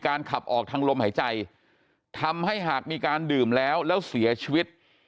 ขับออกทางลมหายใจทำให้หากมีการดื่มแล้วแล้วเสียชีวิต